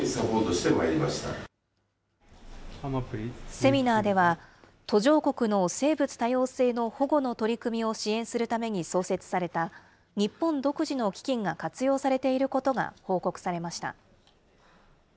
セミナーでは、途上国の生物多様性の保護の取り組みを支援するために創設された、日本独自の基金が活用されていることが報告されました。